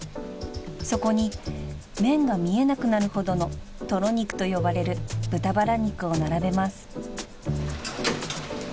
［そこに麺が見えなくなるほどのとろ肉と呼ばれる豚バラ肉を並べます］